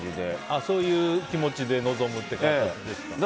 そういう気持ちで臨むって感覚ですか。